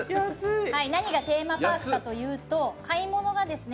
何がテーマパークかというと買い物がですね